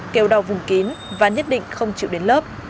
kêu đau vùng kín và nhất định không chịu đến lớp